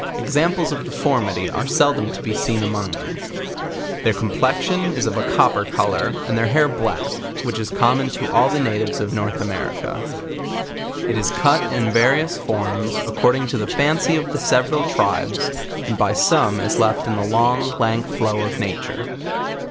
Examples of deformity ?re seldom to be seen among them. Their complexion is of a copper color and their hair black, which is common to all the natives of North America. It is cut in various forms accor ding to the fancy of the several tribes, and by some is loft in the long, jank flow of nature.